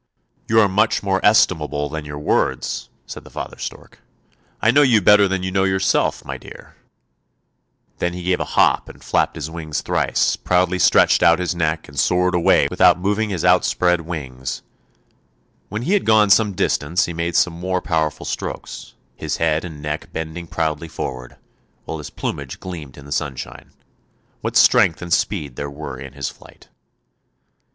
' You are much more estimable than your words," said the father stork. " I know you better than you know yourself, my dear." Then he gave a hop and flapped his wings thrice, proudly stretched out his neck and soared away without moving his out ; SHSIBEK2 ■ i Xhonn sotitoep "*>!:• ViKmq hXo LXpdedw THE MARSH KING'S DAUGHTER 289 spread wings. When he had gone some distance he made some more powerful strokes, his head and neck bending proudly forward, while his plumage gleamed in the sunshine. What strength and speed there were in his flight.